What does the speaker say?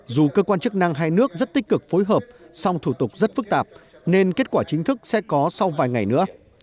dù cơ quan chức năng hai nước rất tích cực phối hợp song thủ tục rất phức tạp nên kết quả chính thức sẽ có sau vài ngày nữa